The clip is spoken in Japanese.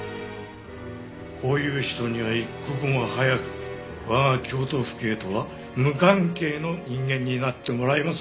こういう人には一刻も早く我が京都府警とは無関係の人間になってもらいます。